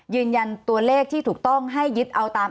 ยืนยันตัวเลขที่ถูกต้องให้ยึดเอาตาม